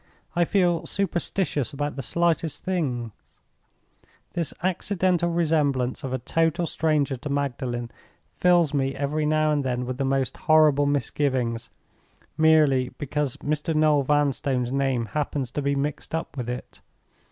I feel superstitious about the slightest things. This accidental resemblance of a total stranger to Magdalen fills me every now and then with the most horrible misgivings—merely because Mr. Noel Vanstone's name happens to be mixed up with it.